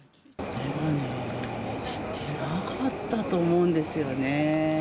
眼鏡してなかったと思うんですよね。